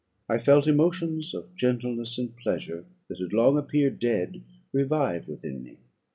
I felt emotions of gentleness and pleasure, that had long appeared dead, revive within me.